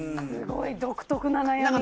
すごい独特な悩み。